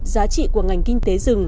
giá trị của ngành kinh tế